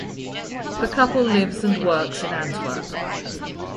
The couple lives and works in Antwerp.